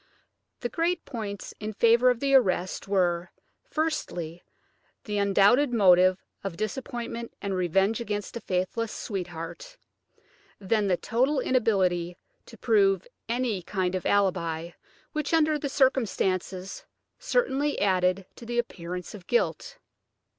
The great points in favour of the arrest were, firstly, the undoubted motive of disappointment and revenge against a faithless sweetheart, then the total inability to prove any kind of alibi, which, under the circumstances, certainly added to the appearance of guilt.